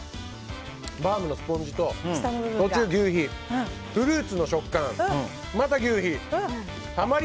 バウムのスポンジと途中、求肥、フルーツの食感また求肥。